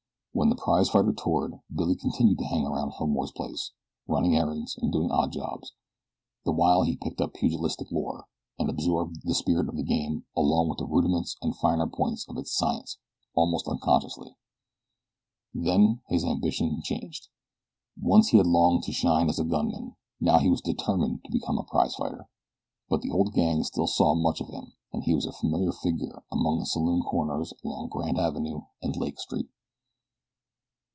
When the prize fighter toured, Billy continued to hang around Hilmore's place, running errands and doing odd jobs, the while he picked up pugilistic lore, and absorbed the spirit of the game along with the rudiments and finer points of its science, almost unconsciously. Then his ambition changed. Once he had longed to shine as a gunman; now he was determined to become a prize fighter; but the old gang still saw much of him, and he was a familiar figure about the saloon corners along Grand Avenue and Lake Street.